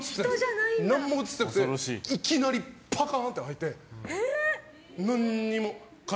何も映ってなくていきなりパカン！って開いて。